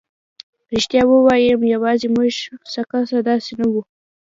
رښتیا ووایم یوازې موږ څو کسه داسې نه وو.